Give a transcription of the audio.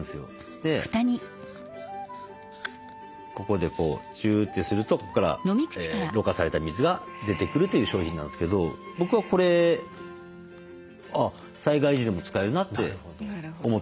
でここでこうチューッてするとここからろ過された水が出てくるという商品なんですけど僕はこれ災害時でも使えるなって思ってますけどね。